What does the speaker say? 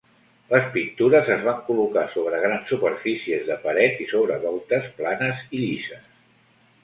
Les pintures es van col·locar sobre grans superfícies de paret i sobre voltes planes i llises.